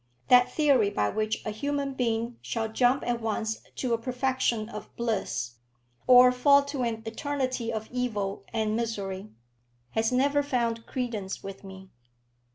That theory by which a human being shall jump at once to a perfection of bliss, or fall to an eternity of evil and misery, has never found credence with me.